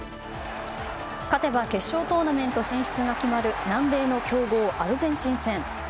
勝てば決勝トーナメント進出が決まる南米の強豪アルゼンチン戦。